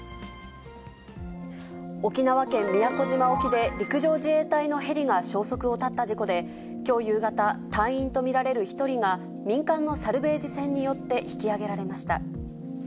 沖縄県宮古島沖で、陸上自衛隊のヘリが消息を絶った事故で、きょう夕方、隊員と見られる１人が民間のサルベージ船によって引き揚げられました。